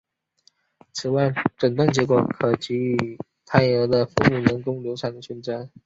此外诊断结果可以给予胎儿的父母人工流产的选择。